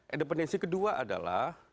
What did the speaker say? independensi kedua adalah